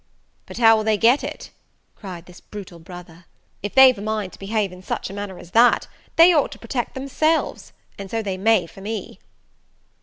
"But how will they get it?" cried this brutal brother: "if they've a mind to behave in such a manner as that, they ought to protect themselves; and so they may for me."